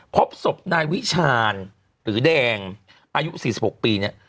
พบศพนายวิชาญหรือแดงอายุ๔๖ปีเนี่ย